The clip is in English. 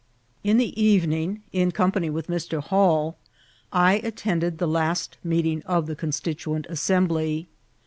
In the evening, in company with Mr. Hall, I attend ed the last meeting of the Constituent Assembly.